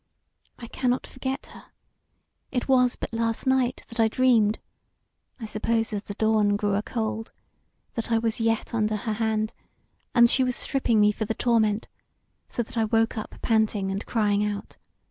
I cannot forget her: it was but last night that I dreamed (I suppose as the dawn grew a cold) that I was yet under her hand, and she was stripping me for the torment; so that I woke up panting and crying out.